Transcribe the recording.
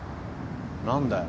何だよ。